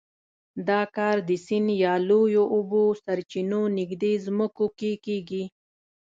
دا کار د سیند یا لویو اوبو سرچینو نږدې ځمکو کې کېږي.